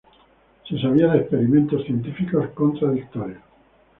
Se sabía de experimentos científicos contradictorios.